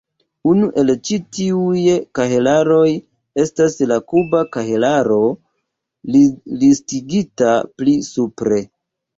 Unu el ĉi tiuj kahelaroj estas la "kuba kahelaro", listigita pli supre.